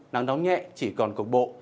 nắng nóng nhẹ chỉ còn cục bộ